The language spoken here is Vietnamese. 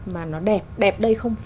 mà nó đẹp đẹp đây không